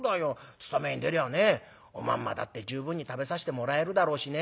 勤めに出りゃねおまんまだって十分に食べさせてもらえるだろうしね」。